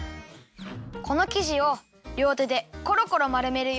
このきじをりょうてでコロコロまるめるよ。